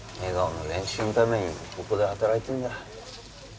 笑顔の練習のためにここで働いてんだ。